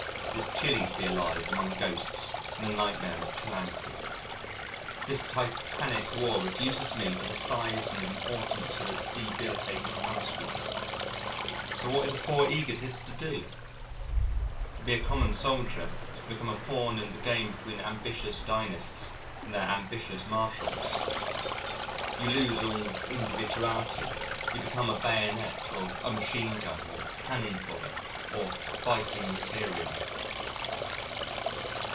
It is chilly to be alive among ghosts in a nightmare of calamity. This Titanic war reduces me to the size and importance of a debilitated housefly. So what is a poor egotist to do? To be a common soldier is to become a pawn in the game between ambitious dynasts and their ambitious marshals. You lose all individuality, you become a "bayonet" or a "machine gun," or "cannon fodder," or "fighting material."